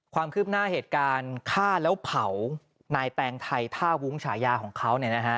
ความคืบหน้าเหตุการณ์ฆ่าแล้วเผานายแปลงไทยท่าวุ้งฉายาของเขา